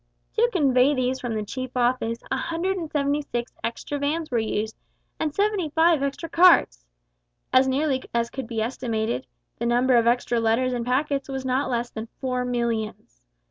To convey these from the chief office 176 extra vans were used, and 75 extra carts. As nearly as could be estimated, the number of extra letters and packets was not less than four millions.